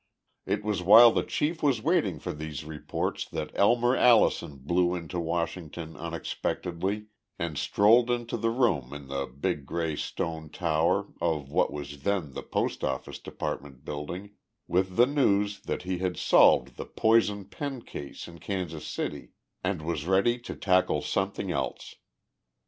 It was while the chief was waiting for these reports that Elmer Allison blew into Washington unexpectedly and strolled into the room in the big gray stone tower of what was then the Post office Department Building, with the news that he had solved the "poison pen case" in Kansas City and was ready to tackle something else.